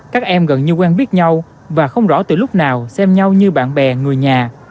các em gần như quen biết nhau và không rõ từ lúc nào xem nhau như bạn bè người nhà